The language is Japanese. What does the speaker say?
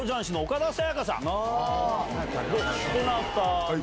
どなたの。